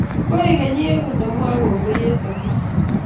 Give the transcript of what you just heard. Koikeny Ieku ne mwae kongoi eng sopet